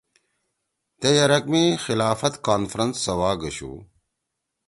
تے یرک می خلافت کانفرنس سواگَشُو